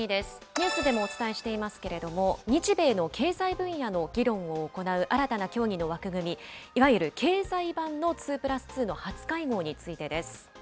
ニュースでもお伝えしていますけれども、日米の経済分野の議論を行う新たな協議の枠組み、いわゆる経済版の２プラス２の初会合についてです。